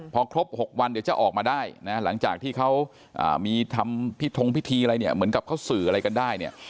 พอครบ๖วันเดี๋ยวจะออกมาได้นะหลังจากที่เขามีทำพิทงพิธีอะไรเนี่ยเหมือนกับเขาสื่ออะไรกันได้เนี่ย